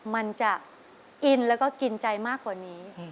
มันจะอินแล้วก็กินใจมากกว่านี้